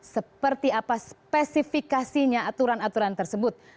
seperti apa spesifikasinya aturan aturan tersebut